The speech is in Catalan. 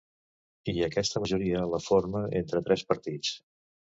I aquesta majoria la formem entre tres partits.